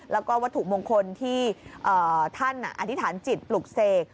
แล้วก็วัตถุมงคลที่ท่านอธิษฐานจิตปลุกเสก